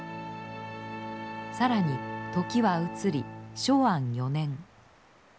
更に時は移り承安４年。